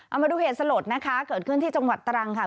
เอามาดูเหตุสลดนะคะเกิดขึ้นที่จังหวัดตรังค่ะ